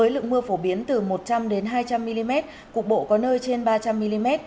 lượng mưa phổ biến từ một trăm linh hai trăm linh mm cục bộ có nơi trên ba trăm linh mm